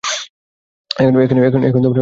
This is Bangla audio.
এখন আর জলের কথা মনেও আসে না।